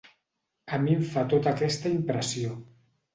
A mi em fa tota aquesta impressió.